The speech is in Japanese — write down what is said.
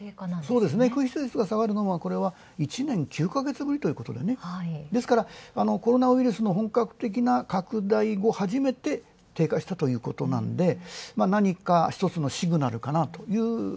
そうですね、空室率が下がるのは１年９ヶ月ぶりということでですから、コロナウイルスの本格的な拡大後初めて低下したというわけで、なにか一つのシグナルかなと。